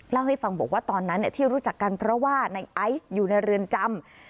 เล่าให้ฟังบอกว่าตอนนั้นที่รู้จักกันเพราะว่าในไอซ์อยู่ในเรือนจำ